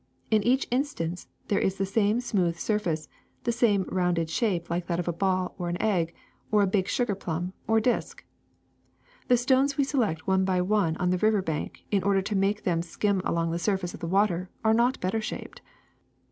In each instance there is the same smooth surface, the same rounded shape like that of a ball or an egg or a big sugar plum or a disk. The stones we select one by one on the river bank in order to make them skim along the surface of the water are not better shaped.